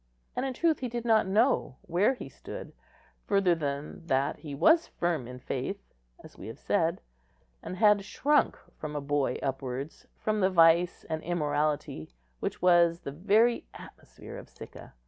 And in truth he did not know where he stood further than that he was firm in faith, as we have said, and had shrunk from a boy upwards, from the vice and immorality which was the very atmosphere of Sicca.